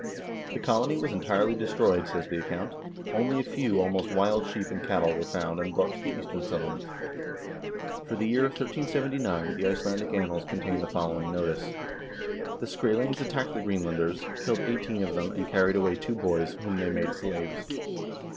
The colony was entirely destroyed, says the account, only a few almost wild sheep and cattle were found and brought to the Eastern Settlement. For the year 1379 the "Icelandic Annals" contain the following notice: "The Skrselings attacked the Greenlanders, killed eighteen of them, and carried away two boys, whom they made slaves."